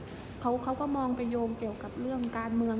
พวกเขาก็มองนี้ไปโยงเรื่องการเมือง